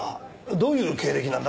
どういう経歴なんだ？